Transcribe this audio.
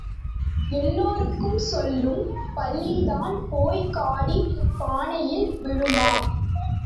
எல்லாருக்கும் சொல்லும் பல்லி தான் போய்க் காடிப் பானையில் விழுமாம்.